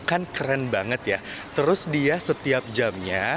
kan keren banget ya terus dia setiap jamnya